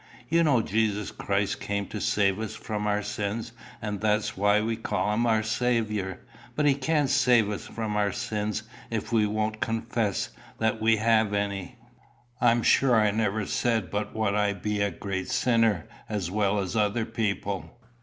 You know Jesus Christ came to save us from our sins; and that's why we call him our Saviour. But he can't save us from our sins if we won't confess that we have any." "I'm sure I never said but what I be a great sinner, as well as other people."